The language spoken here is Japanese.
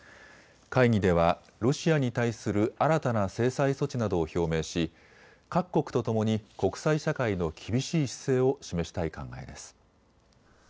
会議ではロシアに対する新たな制裁措置などを表明し各国とともに国際社会の厳しい姿勢を示したい考えです。